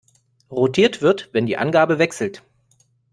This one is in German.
Rotiert wird, wenn die Angabe wechselt.